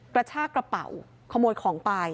กระชากระเป๋าขโมยของไป